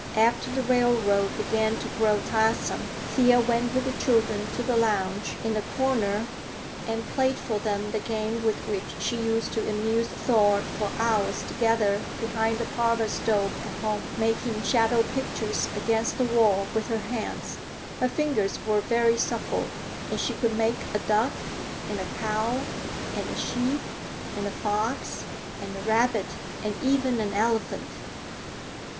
After the railroad began to grow tiresome, Thea went with the children to the lounge in the corner, and played for them the game with which she used to amuse Thor for hours together behind the parlor stove at home, making shadow pictures against the wall with her hands. Her fingers were very supple, and she could make a duck and a cow and a sheep and a fox and a rabbit and even an elephant.